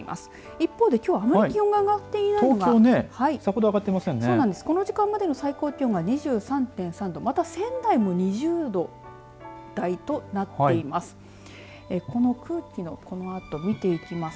一方で、きょうあまり気温が上がっていないのがこの時間までの最高気温が２３．３度また仙台も２０度台となっています。